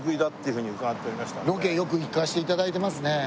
ロケよく行かせて頂いてますね。